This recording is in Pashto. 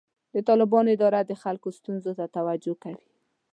د طالبانو اداره د خلکو ستونزو ته توجه کوي.